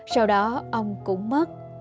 sau đó ông cũng mất